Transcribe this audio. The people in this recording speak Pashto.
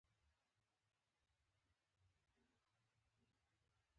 لیلا بده نجلۍ نه ده، خو کليوالو یې هسې په لمنه تور داغونه کېښودل.